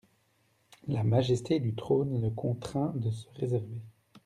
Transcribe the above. La majesté du trône le contraint de se réserver.